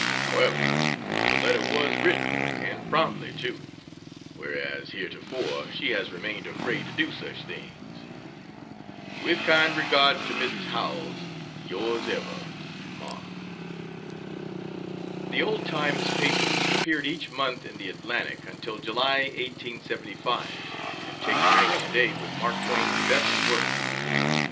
However, the letter was written, and promptly, too whereas, heretofore she has remained afraid to do such things. With kind regards to Mrs. Howells, Yrs ever, MARK. The "Old Times" papers appeared each month in the Atlantic until July, 1875, and take rank to day with Mark Twain's best work.